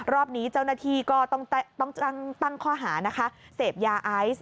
รอบนี้เจ้าหน้าที่ก็ต้องตั้งข้อหานะคะเสพยาไอซ์